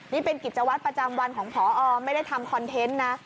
นี่เป็นกิจวัตรประจำวันของพอไม่ได้ทำคอนเทนต์นะ